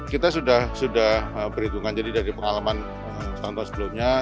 kita sudah berhitungan dari pengalaman tahun tahun sebelumnya